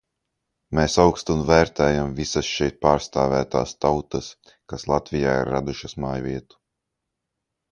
Mēs augstu vērtējam visas šeit pārstāvētās tautas, kas Latvijā ir radušas mājvietu.